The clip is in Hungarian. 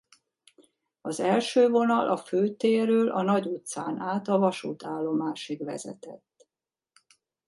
Az első vonal a Fő térről a Nagy utcán át a vasútállomásig vezetett.